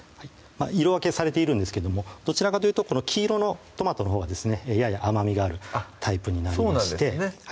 色分けされているんですけどもどちらかというとこの黄色のトマトのほうはですねやや甘みがあるタイプになりましてあっそうなんですね